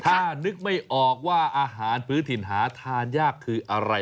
ถ้านึกไม่ออกว่าอาหารพื้นถิ่นหาทานยากคืออะไร